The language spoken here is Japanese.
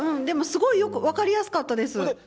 でもすごいよく分かりやすかったです。